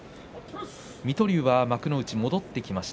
水戸龍は幕内に戻ってきました。